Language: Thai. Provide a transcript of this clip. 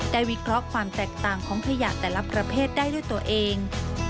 วิเคราะห์ความแตกต่างของขยะแต่ละประเภทได้ด้วยตัวเอง